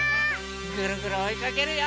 ぐるぐるおいかけるよ！